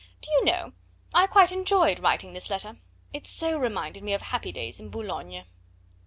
"Do you know, I quite enjoyed writing this letter; it so reminded me of happy days in Boulogne."